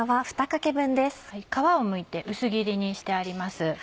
皮をむいて薄切りにしてあります。